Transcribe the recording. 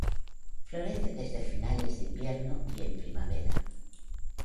Florece desde finales del invierno y en primavera.